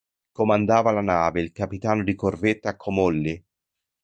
Comandava la nave il capitano di corvetta Comolli.